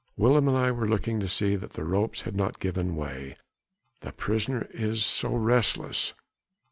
Willem and I were looking to see that the ropes had not given way. The prisoner is so restless...."